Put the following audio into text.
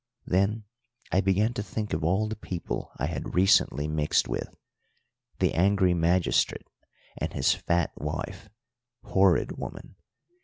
Then I began to think of all the people I had recently mixed with: the angry magistrate and his fat wife horrid woman!